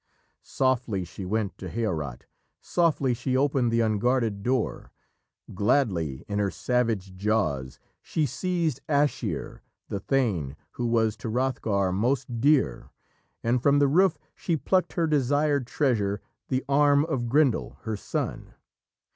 Softly she went to Hereot. Softly she opened the unguarded door. Gladly, in her savage jaws, she seized Aschere, the thane who was to Hrothgar most dear, and from the roof she plucked her desired treasure the arm of Grendel, her son.